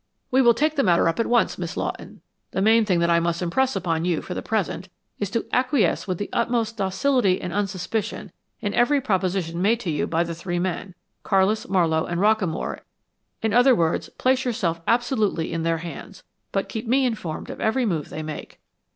"We will take the matter up at once, Miss Lawton. The main thing that I must impress upon you for the present is to acquiesce with the utmost docility and unsuspicion in every proposition made to you by the three men, Carlis, Mallowe and Rockamore; in other words, place yourself absolutely in their hands, but keep me informed of every move they make.